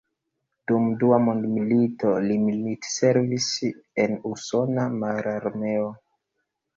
Dum Dua Mondmilito li militservis en usona mararmeo.